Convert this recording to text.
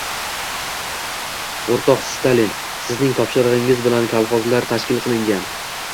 O'rtoq Stalin, sizning topshirig'ingiz bilan kolxozlar tashkil qilingan